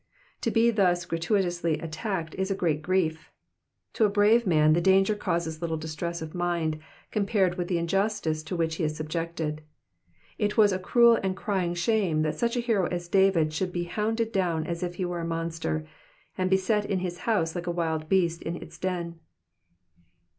To be thus gratuitously attacked is a great grief. To a brave man the danger causes little distress of mind compared with the injustice to which he is subjected. It was a cruel and crying shame that such a hero as David should be hounded down as if he were a monster, and beset in his house like a wild beast in its den.